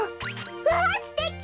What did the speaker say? わあすてき！